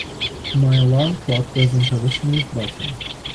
My alarm clock doesn't have a snooze button.